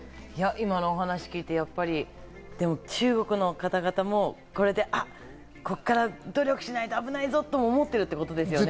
今のお話を聞いて、中国の方々もこれでここから努力しないと危ないぞって思ってるってことですよね？